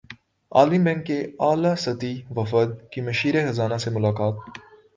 عالمی بینک کے اعلی سطحی وفد کی مشیر خزانہ سے ملاقات